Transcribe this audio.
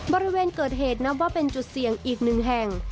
บริเวณเกิดเหตุนับว่าเป็นจุดเสี่ยงอีกหนึ่งแห่ง